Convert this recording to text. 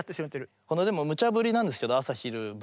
これでもむちゃぶりなんですけど「朝」「昼」「晩」。